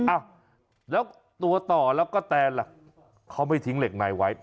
อ้าวแล้วตัวต่อแล้วก็แตนล่ะเขาไม่ทิ้งเหล็กในไว้